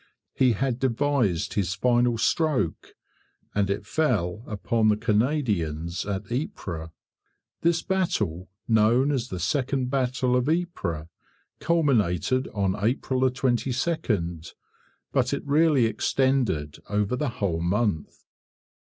He had devised his final stroke, and it fell upon the Canadians at Ypres. This battle, known as the second battle of Ypres, culminated on April 22nd, but it really extended over the whole month.